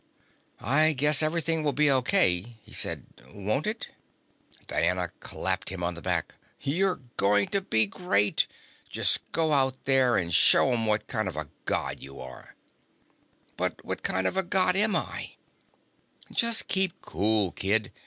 "I guess everything will be okay," he said. "Won't it?" Diana clapped him on the back. "You're going to be great. Just go out there and show 'em what kind of a God you are." "But what kind of a God am I?" "Just keep cool, kid.